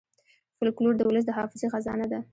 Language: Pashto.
فلکور د ولس د حافظې خزانه ده.